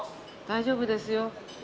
大丈夫ですよ。